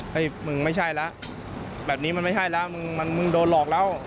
มึงไม่ใช่แล้วแบบนี้มันไม่ใช่แล้วมึงมันมึงโดนหลอกแล้ว